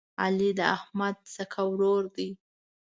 علي د احمد سکه ورور دی.